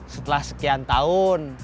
setelah sekian tahun